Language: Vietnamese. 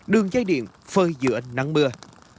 đường dây điện phơi giữa nắng mưa